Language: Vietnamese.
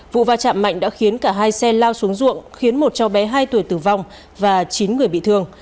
vụ va chạm mạnh đã khiến cả hai xe lao xuống ruộng khiến một cháu bé hai tuổi tử vong và chín người bị thương